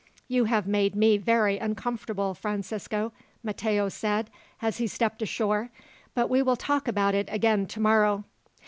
"You have made me very uncomfortable, Francisco," Matteo said as he stepped ashore; "but we will talk about it again tomorrow."